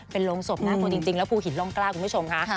เป็นโรงศพน่ากลัวจริงแล้วภูหินร่องกล้าคุณผู้ชมค่ะ